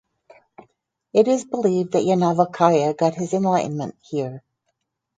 It is believed that Yajnavalkya got his enlightenment here.